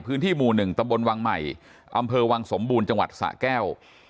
พื้นที่หมู่๑ตำบลวังใหม่อำเภอวังสมบูรณ์จังหวัดสะแก้ว